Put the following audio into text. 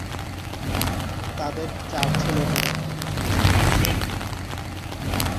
তাদের চার ছেলেমেয়ে।